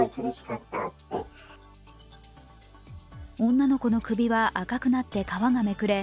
女の子の首は赤くなって皮がめくれ